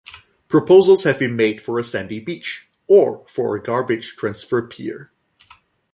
Proposals have been made for a sandy beach, or for a garbage transfer pier.